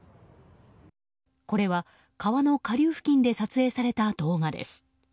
これは川の下流付近で撮影された動画です。